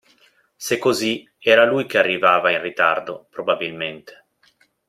Se così, era lui che arrivava in ritardo, probabilmente!